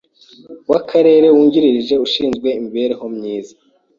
w’Akarere wungirije ushinzwe imibereho myiza;